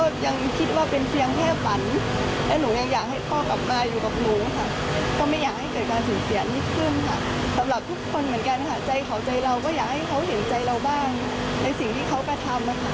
ดีใจยังไกลต่อไปความภูมิควัฒนีขึ้นค่ะ